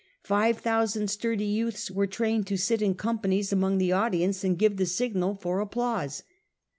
Five thousand sturdy youths were trained to sit in companies among the audience and give the signal for applause.